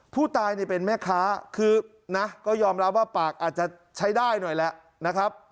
ผู้ตายเนี่ยเป็นแม่ค้าคือนะก็ยอมรับว่าปากอาจจะใช้ได้หน่อยแหละนะครับ